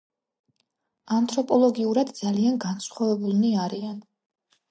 ანთროპოლოგიურად ძალიან განსხვავებულნი არიან.